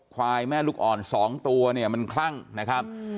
ควายแม่ลูกอ่อน๒ตัวเนี่ยมันคลั่งนะครับ